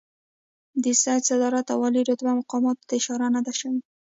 د سید صدارت او عالي رتبه مقاماتو ته اشاره نه ده شوې.